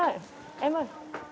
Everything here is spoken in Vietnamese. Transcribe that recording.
bà nội em ơi